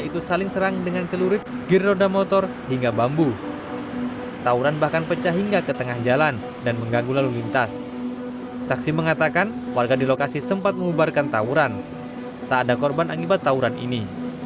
tak ada korban anggipat tawuran ini